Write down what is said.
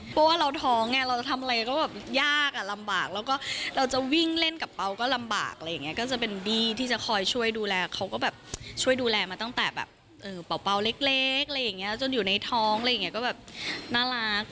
เพราะว่าเราท้องไงเราจะทำอะไรก็แบบยากอ่ะลำบากแล้วก็เราจะวิ่งเล่นกับเปล่าก็ลำบากอะไรอย่างนี้ก็จะเป็นบี้ที่จะคอยช่วยดูแลเขาก็แบบช่วยดูแลมาตั้งแต่แบบเปล่าเล็กอะไรอย่างนี้จนอยู่ในท้องอะไรอย่างนี้ก็แบบน่ารัก